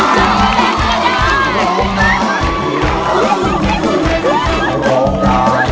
น้องเมม